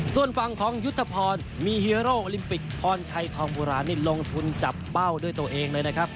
ส่วนฝั่งของยุทธพรมีฮีโร่โอลิมปิกพรชัยทองโบราณนี่ลงทุนจับเป้าด้วยตัวเองเลยนะครับ